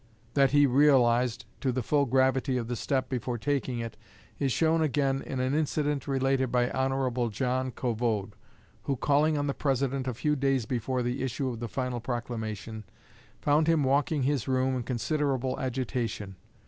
That he realized to the full the gravity of the step before taking it is shown again in an incident related by Hon. John Covode, who, calling on the President a few days before the issue of the final proclamation, found him walking his room in considerable agitation.